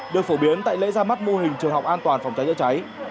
được phổ biến tại lễ ra mắt mô hình trường học an toàn phòng cháy chữa cháy